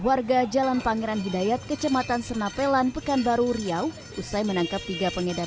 warga jalan pangeran hidayat kecematan senapelan pekanbaru riau usai menangkap tiga pengedar